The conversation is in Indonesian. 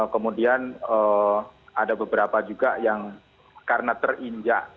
kemudian ada beberapa juga yang karena terinjak